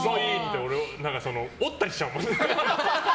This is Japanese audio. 折ったりしちゃうもん、俺。